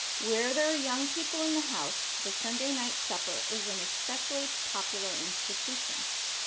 Where there are young people in the house, the Sunday night supper is an especially popular institution.